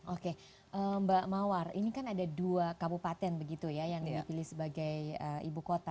oke mbak mawar ini kan ada dua kabupaten begitu ya yang dipilih sebagai ibu kota